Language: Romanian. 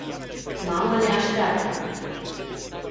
Mama ne asteapta.